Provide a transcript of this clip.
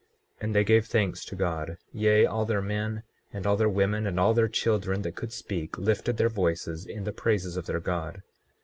24:22 And they gave thanks to God, yea, all their men and all their women and all their children that could speak lifted their voices in the praises of their God.